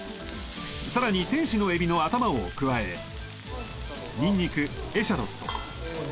さらに天使の海老の頭を加えニンニクエシャロットうわ